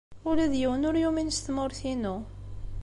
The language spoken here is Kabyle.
Ula d yiwen ur yumin s tmurt-inu.